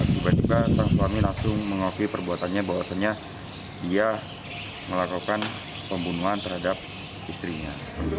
tiba tiba sang suami langsung mengakui perbuatannya bahwasannya dia melakukan pembunuhan terhadap istrinya